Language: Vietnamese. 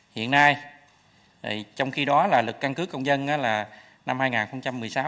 hiện nay trong khi đó lực căn cước công dân năm hai nghìn một mươi sáu có những điểm chưa đáp ứng yêu cầu